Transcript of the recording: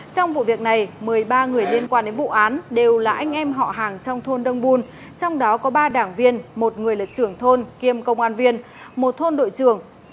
trong vụ việc này một mươi ba người liên quan đến vụ án đều là anh em họ hàng trong thôn đông bun trong đó có ba đảng viên một người là trưởng thôn kiêm công an viên một thôn đội trường